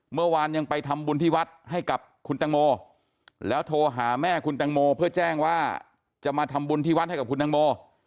เมื่อวานยังไปทำบุญที่วัดให้กับคุณตังโมแล้วโทรหาแม่คุณแตงโมเพื่อแจ้งว่าจะมาทำบุญที่วัดให้กับคุณตังโม